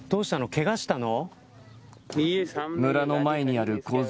けがしたの。